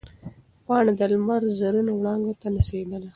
پاڼه د لمر زرینو وړانګو ته نڅېدله.